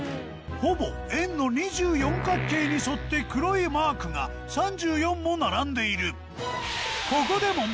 ほぼ円の２４角形に沿って黒いマークが３４も並んでいるここで問題！